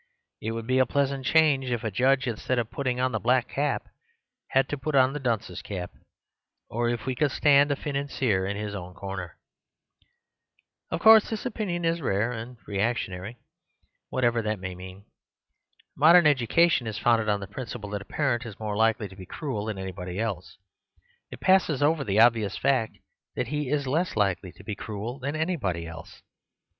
It would be a pleasant change if a judge, instead of putting on the black cap, had to put on the dunce's cap; or if we could stand a financier in his own corner. Of course this opinion is rare, and reac tionary — ^whatever that may mean. Modern education is founded on the principle that a parent is more likely to be cruel than anybody else. It passes over the obvious fact that he is less likely to be cruel than anybody else.